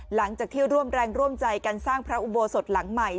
หลังจากที่ร่วมแรงร่วมใจกันสร้างพระอุโบสถหลังใหม่